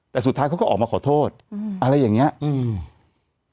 แต่สุดท้ายเขาก็ออกมาขอโทษอืมอะไรอย่างเงี้ยอืม